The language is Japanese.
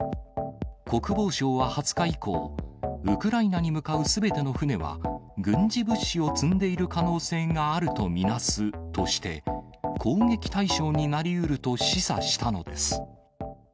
国防省は２０日以降、ウクライナに向かうすべての船は、軍事物資を積んでいる可能性があると見なすとして、攻撃対象になりうると示唆したのです。